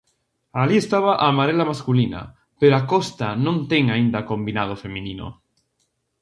Alí estaba a amarela masculina, pero a Costa non ten aínda combinado feminino.